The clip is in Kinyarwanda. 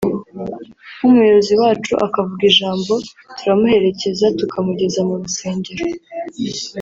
nk’umuyobozi wacu akavuga ijambo…turamuherekeza tukamugeza mu rusengero